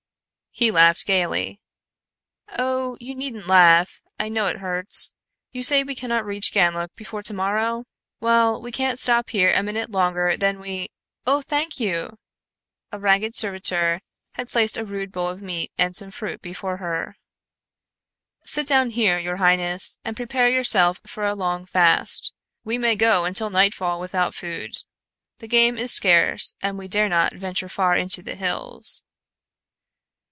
He laughed gaily. "Oh, you needn't laugh. I know it hurts. You say we cannot reach Ganlook before to morrow? Well, we can't stop here a minute longer than we Oh, thank you!" A ragged servitor had placed a rude bowl of meat and some fruit before her. "Sit down here, your highness, and prepare yourself for a long fast. We may go until nightfall without food. The game is scarce and we dare not venture far into the hills."